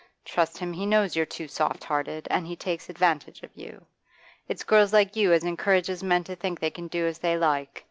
Trust him, he knows you're too soft hearted, and he takes advantage of you. It's girls like you as encourages men to think they can do as they like.